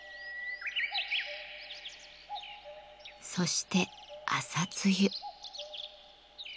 そして朝露。